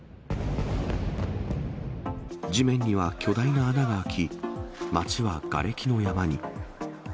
地面には巨大な穴が開き、街はがれきの山に。